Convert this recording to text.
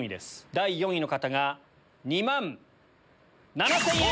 第４位の方が２万７０００円！